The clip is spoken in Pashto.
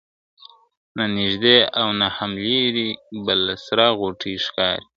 نه نیژدې او نه هم لیري بله سره غوټۍ ښکاریږي ..